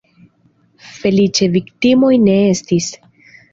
Feliĉe, viktimoj ne estis.